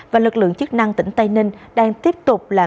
và lực lượng chức năng tỉnh tây ninh đang tiếp tục tăng lên